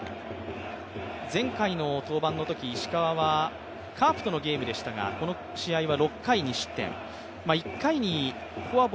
前回の登板のとき石川はカープとのゲームでしたが血圧はちゃんとチェック！